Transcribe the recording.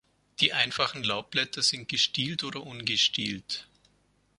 Die einfachen Laubblätter sind gestielt oder ungestielt.